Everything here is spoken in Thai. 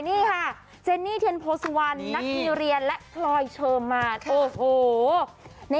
นี่ค่ะเจนนี่เทียนโพสต์วันนักงี้เรียนและคลอยเชิมมาโอ้โห